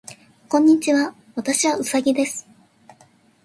こんにちは。私はうさぎです。